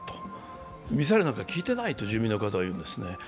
ミサイルなんか聞いていないと住民の方は言うんですね。